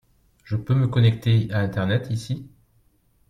Je peux me connecter à Internet ici ?